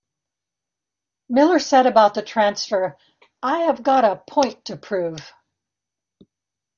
Miller said about the transfer: I have got a point to prove.